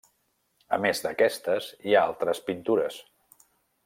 A més d'aquestes, hi ha altres pintures.